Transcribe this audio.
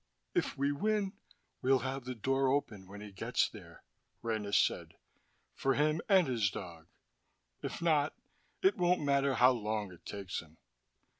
"If we win, we'll have the door open when he gets there," Rena said. "For him and his dog! If not, it won't matter how long it takes him.